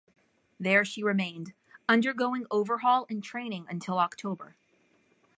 There she remained, undergoing overhaul and training until October.